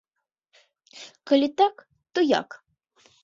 Калі так, то як?